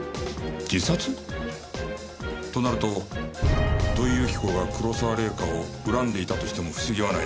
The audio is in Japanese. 自殺？となると土井由紀子が黒沢玲香を恨んでいたとしても不思議はないな。